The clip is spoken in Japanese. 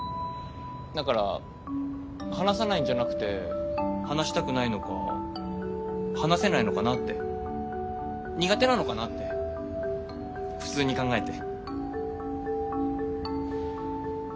だから話さないんじゃなくて話したくないのか話せないのかなって苦手なのかなってフツーに考えて。